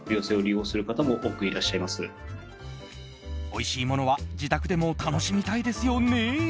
おいしいものは自宅でも楽しみたいですよね。